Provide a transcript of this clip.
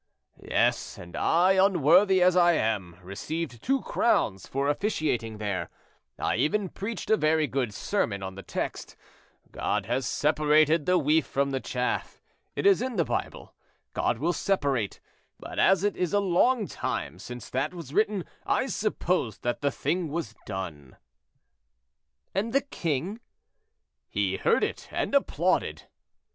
"Yes; and I, unworthy as I am, received two crowns for officiating there; I even preached a very good sermon on the text, 'God has separated the wheat from the chaff.' It is in the Bible, 'God will separate,' but as it is a long time since that was written, I supposed that the thing was done." "And the king?" "He heard it, and applauded."